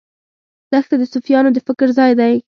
دښته د صوفیانو د فکر ځای دی.